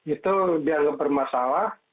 itu dia berbicara masalah